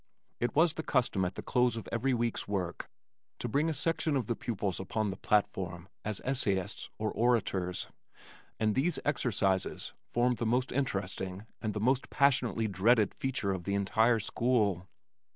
It was the custom at the close of every week's work to bring a section of the pupils upon the platform as essayists or orators, and these "exercises" formed the most interesting and the most passionately dreaded feature of the entire school.